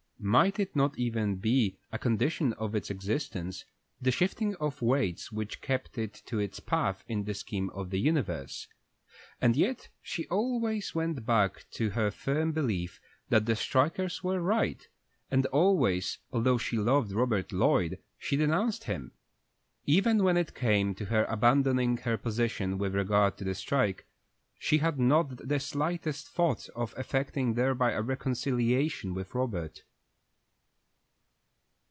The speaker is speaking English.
Might it not even be a condition of its existence, the shifting of weights which kept it to its path in the scheme of the universe? And yet always she went back to her firm belief that the strikers were right, and always, although she loved Robert Lloyd, she denounced him. Even when it came to her abandoning her position with regard to the strike, she had not the slightest thought of effecting thereby a reconciliation with Robert.